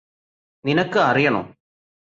നിനക്ക് അറിയണോ